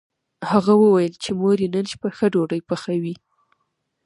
هغه وویل چې مور یې نن شپه ښه ډوډۍ پخوي